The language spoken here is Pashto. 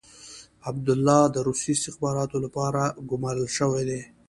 عبدالله د روسي استخباراتو لپاره ګمارل شوی دی.